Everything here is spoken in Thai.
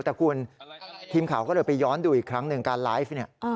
แต่คุณทีมข่าวก็เลยไปย้อนดูอีกครั้งหนึ่งการไลฟ์เนี่ย